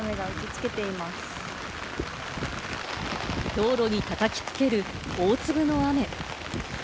道路に叩きつける大粒の雨。